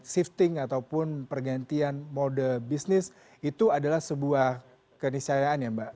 shifting ataupun pergantian mode bisnis itu adalah sebuah keniscayaan ya mbak